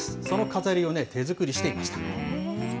その飾りを手作りしていました。